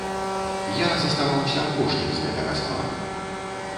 Я заставаўся апошнім з гэтага складу.